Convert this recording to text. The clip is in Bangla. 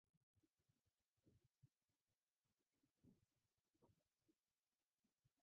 সে সময়ের দুই-তৃতীয়াংশ শিক্ষক ছিল নারী।